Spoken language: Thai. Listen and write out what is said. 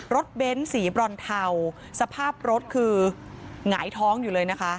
เบ้นสีบรอนเทาสภาพรถคือหงายท้องอยู่เลยนะคะ